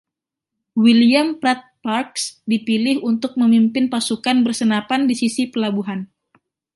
William Pratt Parks dipilih untuk memimpin pasukan bersenapan di sisi pelabuhan.